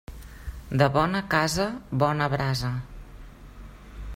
De bona casa, bona brasa.